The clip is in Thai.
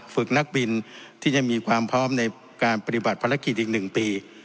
ฝึกนักบินที่จะมีความพร้อมในการปฏิบัติภารกิจอีก๑ปี